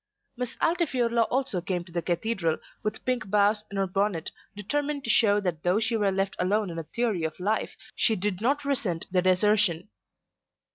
Miss Altifiorla also came to the cathedral, with pink bows in her bonnet, determined to show that though she were left alone in her theory of life she did not resent the desertion.